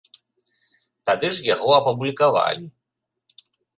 Тады ж яго апублікавалі.